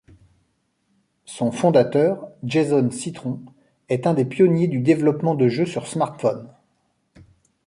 Son fondateur, Jason Citron, est un des pionniers du développement de jeux sur smartphones.